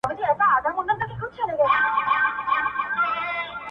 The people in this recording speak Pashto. ستا تصوير خپله هينداره دى زما گراني ~